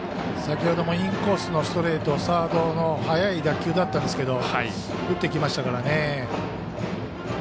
先ほどもインコースのストレートをサードの速い打球だったんですけど打ってきましたからね。